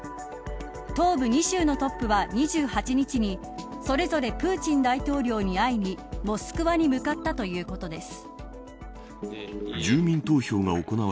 東部２州のトップは２８日にそれぞれプーチン大統領に会いにモスクワに向かったということです。